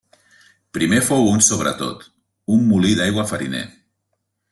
Primer fou un sobretot un molí d'aigua fariner.